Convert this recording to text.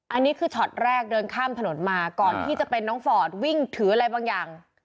อันนี้คือช็อตแรกเดินข้ามถนนมาก่อนที่จะเป็นน้องฟอร์ดวิ่งถืออะไรบางอย่าง